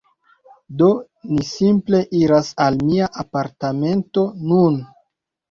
Do, ni simple iras al mia apartamento nun